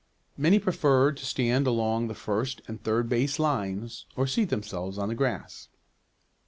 Many preferred to stand along the first and third base lines, or seat themselves on the grass.